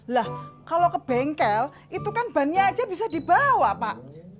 lah kalau ke bengkel itu kan bannya aja bisa dibawa pak